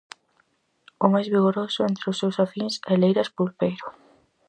O máis vigoroso entre os seus afíns é Leiras Pulpeiro.